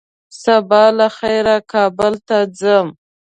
سبا له خيره کابل ته ځم